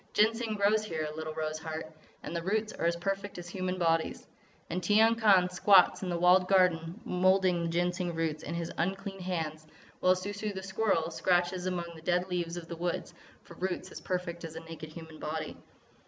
"Ginseng grows here, little Rose Heart, and the roots are as perfect as human bodies. And Tiyang Khan squats in the walled garden moulding the Ginseng roots in his unclean hands, while Sou Sou the Squirrel scratches among the dead leaves of the woods for roots as perfect as a naked human body.